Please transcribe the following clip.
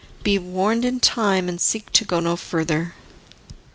Be warned in time, and seek to go no further."